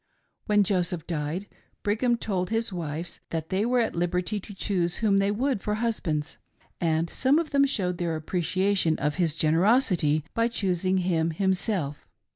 When Joseph died, Brigham told his wives that they were at liberty to choose whom they would for husbands ; and some of them showed their appreciation of his generosity by. choos ing him himself.